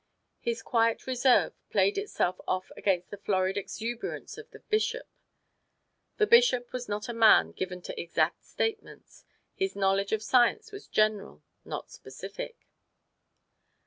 His quiet reserve played itself off against the florid exuberance of the Bishop. The Bishop was not a man given to exact statements: his knowledge of science was general, not specific.